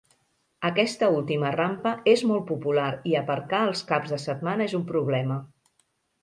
Aquesta última rampa és molt popular i aparcar els caps de setmana és un problema.